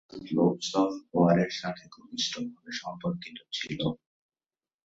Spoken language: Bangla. এরা স্লুপস-অফ-ওয়ারের সাথে ঘনিষ্ঠভাবে সম্পর্কিত ছিল।